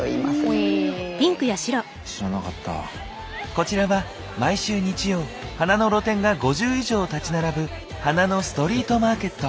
こちらは毎週日曜花の露店が５０以上立ち並ぶ花のストリートマーケット。